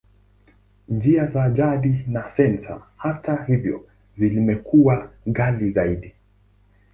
Njia za jadi za sensa, hata hivyo, zimekuwa ghali zaidi.